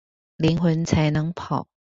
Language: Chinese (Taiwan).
靈魂才能跑